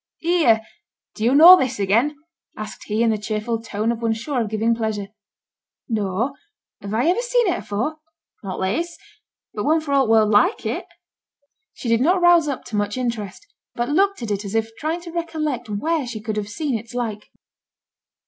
'Here! do you know this again?' asked he, in the cheerful tone of one sure of giving pleasure. 'No! have I iver seen it afore?' 'Not this, but one for all t' world like it.' She did not rouse up to much interest, but looked at it as if trying to recollect where she could have seen its like.